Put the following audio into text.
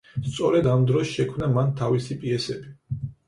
სწორედ ამ დროს შექმნა მან თავისი პიესები.